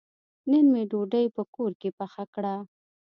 نن مې ډوډۍ په کور کې پخه کړه.